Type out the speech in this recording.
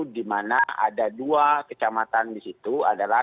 di mana ada dua kecamatan di situ adalah